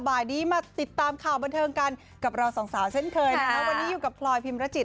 บ่ายนี้มาติดตามข่าวบันเทิงกันกับเราสองสาวเช่นเคยนะคะวันนี้อยู่กับพลอยพิมรจิต